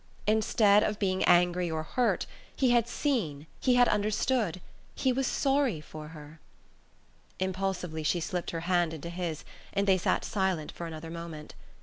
Instead of being angry or hurt, he had seen, he had understood, he was sorry for her! Impulsively she slipped her hand into his, and they sat silent for another moment.